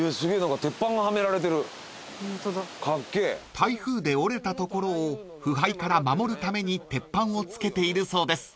［台風で折れた所を腐敗から守るために鉄板を付けているそうです］